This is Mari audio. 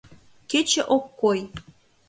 Кече ок кой.